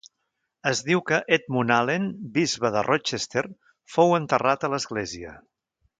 Es diu que Edmund Allen, bisbe de Rochester, fou enterrat a l'església.